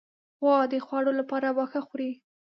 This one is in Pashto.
غوا د خوړو لپاره واښه خوري.